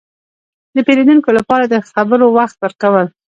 – د پېرودونکو لپاره د خبرو وخت ورکول.